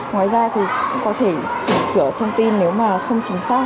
ngoài ra có thể chỉnh sửa thông tin nếu mà không chính xác